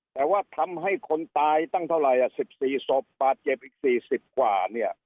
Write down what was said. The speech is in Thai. แต่ว่าทำให้คนตายตั้งเท่าไหร่๑๔ศพบาดเจ็บอีก๔๐กว่าเนี่ย